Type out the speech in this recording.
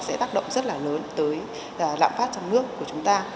sẽ tác động rất là lớn tới lạm phát trong nước của chúng ta